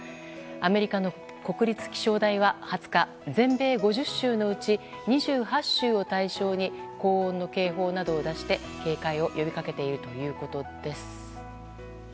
アメリカの国立気象台は２０日全米５０州のうち２８州を対象に高温の警報などを出して警戒を呼びかけているということです。